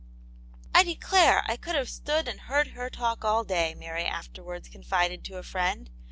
I declare I could have stood and heard her talk all day," Mary afterwards confided to a friend.